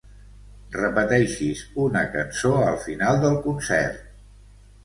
Repeteixis una cançó al final del concert.